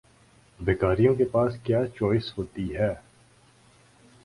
بھکاریوں کے پاس کیا چوائس ہوتی ہے؟